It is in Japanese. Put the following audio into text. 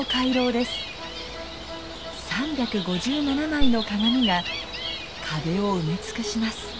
３５７枚の鏡が壁を埋め尽くします。